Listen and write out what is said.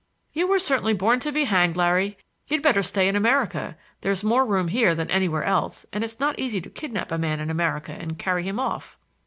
"You were certainly born to be hanged, Larry. You'd better stay in America. There's more room here than anywhere else, and it's not easy to kidnap a man in America and carry him off."